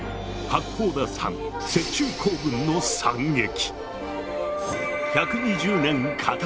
八甲田山雪中行軍の惨劇。